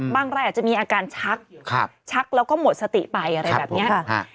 รายอาจจะมีอาการชักชักแล้วก็หมดสติไปอะไรแบบนี้